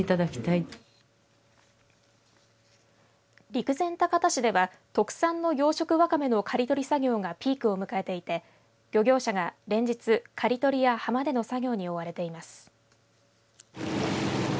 陸前高田市では特産の養殖ワカメの刈り取り作業がピークを迎えていて漁業者が連日、刈り取りや浜での作業に追われています。